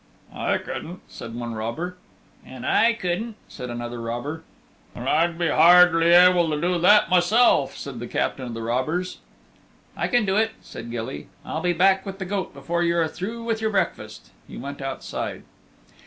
"I couldn't," said one robber, and "I couldn't," said another robber, and "I'd be hardly able to do that myself," said the Captain of the Robbers. "I can do it," said Gilly. "I'll be back with the goat before you are through with your breakfast." He went outside.